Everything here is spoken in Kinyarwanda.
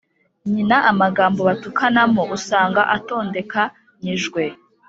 nyina a maga mbo batukana mo usanga atondeka nyi jwe